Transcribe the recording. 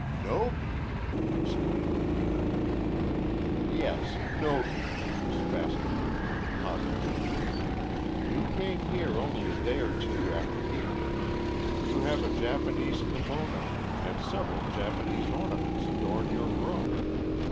"Nogi!" exclaimed Anita. "Yes, Nogi," Miss Bascom went on, positively. "You came here only a day or two after he did. You have a Japanese kimono, and several Japanese ornaments adorn your room.